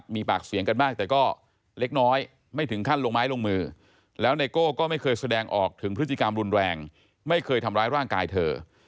มีปากเสียงกันมากแต่ก็เล็กน้อยไม่ถึงขั้นลงไม้ลงมือแล้วไนโก้ก็ไม่เคยแสดงออกถึงพฤติกรรมรุนแรงไม่เคยทำร้ายร่างกายเธอ